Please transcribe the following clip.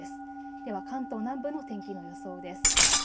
では関東南部の天気の予想です。